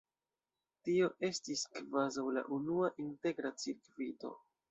Tio estis kvazaŭ la unua integra cirkvito.